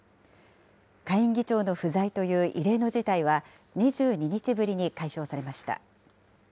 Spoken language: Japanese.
下院議長の不在という異例の事態は、２２日ぶりに解消されました。